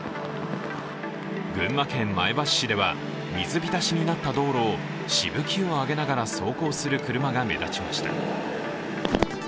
群馬県前橋市では水浸しになった道路をしぶきを上げながら走行する車が目立ちました。